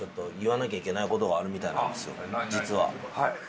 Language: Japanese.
言わなきゃいけないことがあるみたいなんですよ実は。